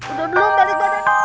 udah belum balik badan